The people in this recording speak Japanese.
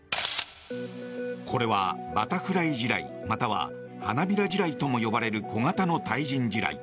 これは、バタフライ地雷または花びら地雷とも呼ばれる小型の対人地雷。